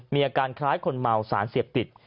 มีอาการคล้ายคนเมาสารเสพติด